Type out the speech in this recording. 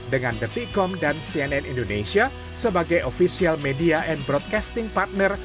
dengan detikom dan cnn indonesia sebagai official media and broadcasting partner